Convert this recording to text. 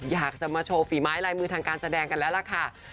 อยากจะมาโชว์ฝีไม้ลายมือทางการแสดงกันแล้วล่ะค่ะ